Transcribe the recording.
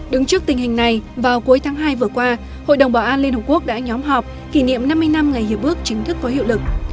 đứng trước tình hình này vào cuối tháng hai vừa qua hội đồng bảo an liên hợp quốc đã nhóm họp kỷ niệm năm mươi năm ngày hiệp ước chính thức có hiệu lực